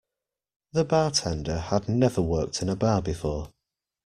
The bartender had never worked in a bar before